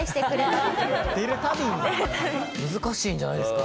難しいんじゃないですか？